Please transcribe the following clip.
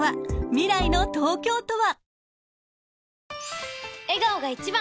未来の東京とは？］